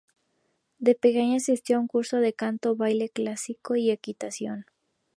De pequeña asistió a cursos de canto, baile clásico y equitación.